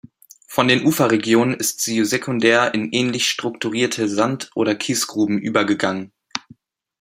Von den Uferregionen ist sie sekundär in ähnlich strukturierte Sand- oder Kiesgruben übergegangen.